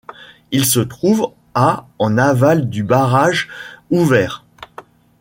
Il se trouve à en aval du Barrage Hoover.